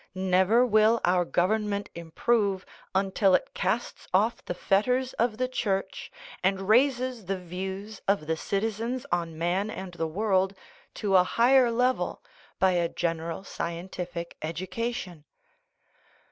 Never will our gov ernment improve until it casts off the fetters of the Church and raises the views of the citizens on man and the world to a higher level by a general scientific edu cation.